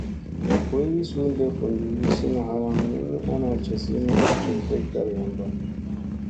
Boyogii suu ɗef vun jufyusina halaŋ min ni ana casi ni u jewɗek garyamma.